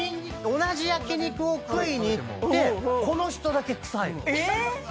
同じ焼き肉食いに行ってこの人だけ臭いの。